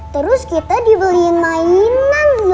terus kita dibeli mainan ya